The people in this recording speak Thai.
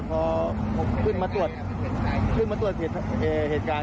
พอขึ้นมาตรวจเหตุการณ์